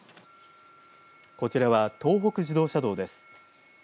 こちらは東北自動車道です。